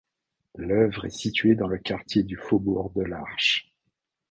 L'œuvre est située dans le quartier du Faubourg de l'Arche.